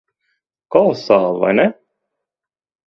Kolosāli. Vai ne?